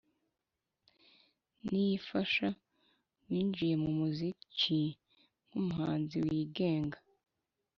Niyifasha winjiye mu muziki nk’umuhanzi wigenga